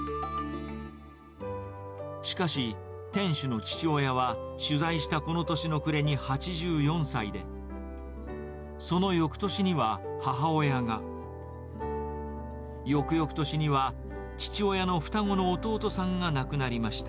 しかし、店主の父親は取材したこの年の暮れに８４歳で、その翌年には、母親が、翌々年には、父親の双子の弟さんが亡くなりました。